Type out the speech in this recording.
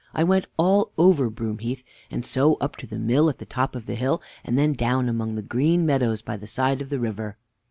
I went all over Broom heath, and so up to the mill at the top of the hill, and then down among the green meadows by the side of the river. _Mr.